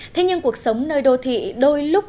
thế nhưng cuộc sống nơi đô thị đôi lúc khá là khó khăn